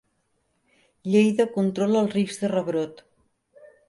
Lleida controla el risc de rebrot.